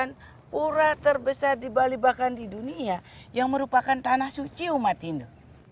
merupakan pura terbesar di bali bahkan di dunia yang merupakan tanah suci umat hindu